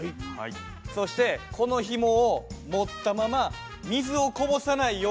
そしてこのひもを持ったまま水をこぼさないように。